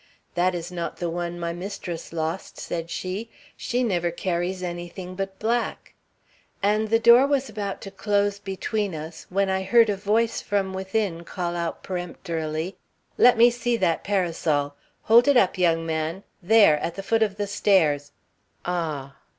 'That is not the one my mistress lost,' said she. 'She never carries anything but black.' And the door was about to close between us when I heard a voice from within call out peremptorily: 'Let me see that parasol. Hold it up, young man. There! at the foot of the stairs. Ah!'